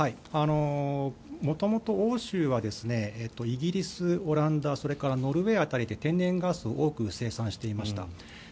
元々、欧州はイギリス、オランダそれからノルウェー辺りで天然ガスを多く生産していました。